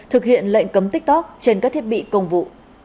thực hiện lệnh cấm tiktok trên các thiết bị công vụ